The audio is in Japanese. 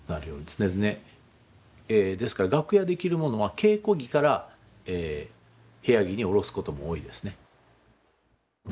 ですから楽屋で着る物は稽古着から部屋着におろすことも多いですね。